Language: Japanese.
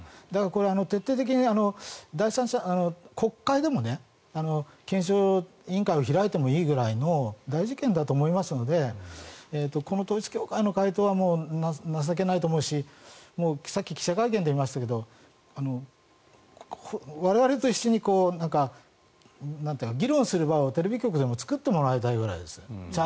これ、徹底的に国会でも検証委員会を開いてもいいくらいの大事件だと思いますのでこの統一教会の回答はもう情けないと思うしさっき記者会見で言いましたけど我々と一緒に議論する場をテレビ局でも作ってもらいたいくらいです。